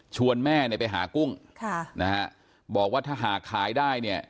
แม่เนี่ยไปหากุ้งค่ะนะฮะบอกว่าถ้าหากขายได้เนี่ย